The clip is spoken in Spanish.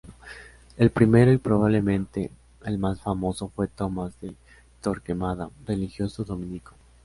El primero y probablemente el más famoso fue Tomás de Torquemada, religioso dominico.